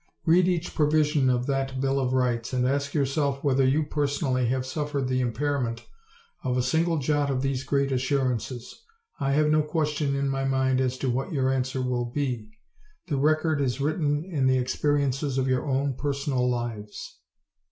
Read each provision of that Bill of Rights and ask yourself whether you personally have suffered the impairment of a single jot of these great assurances. I have no question in my mind as to what your answer will be. The record is written in the experiences of your own personal lives.